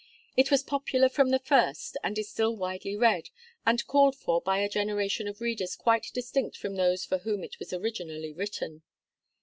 It was popular from the first, and is still widely read, and called for by a generation of readers quite distinct from those for whom it was originally written.